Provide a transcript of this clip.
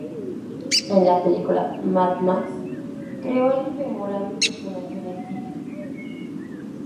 En la película "Mad Max" creó el memorable personaje de "Fifi".